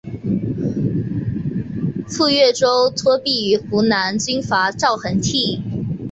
赴岳州托庇于湖南军阀赵恒惕。